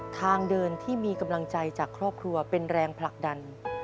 ทางเดินที่มีกำลังใจจากครอบครัวเป็นแรงผลักดัน